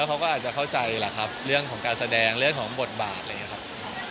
เค้าก็อาจจะเข้าใจหรอกครับเรื่องของการแสดงเรื่องของบทบาทเลยครับ